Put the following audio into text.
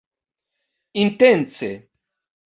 intence